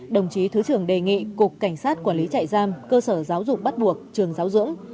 đồng chí thứ trưởng đề nghị cục cảnh sát quản lý chạy giam cơ sở giáo dục bắt buộc trường giáo dưỡng